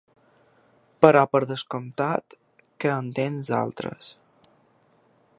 Però per descomptat que en tens d'altres.